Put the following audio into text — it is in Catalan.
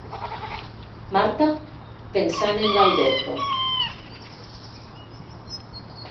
Marta, pensant en l'Alberto.